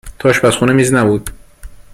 تو آشپزخونه میز نبود؟